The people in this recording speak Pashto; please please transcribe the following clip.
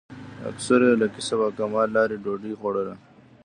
اکثرو یې له کسب او کمال لارې ډوډۍ خوړله.